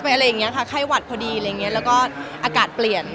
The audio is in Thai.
อะไรอย่างนี้ค่ะไข้หวัดพอดีอะไรอย่างเงี้ยแล้วก็อากาศเปลี่ยน